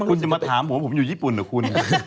คุณจะมาถามผมว่าผมอยู่ญี่ปุ่นกับคุณ